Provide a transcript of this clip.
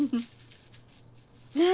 ねえ！